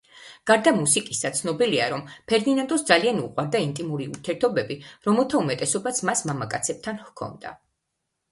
გარდა მუსიკისა, ცნობილია, რომ ფერდინანდოს ძალიან უყვარდა ინტიმური ურთიერთობები, რომელთა უმეტესობაც მას მამაკაცებთან ჰქონდა.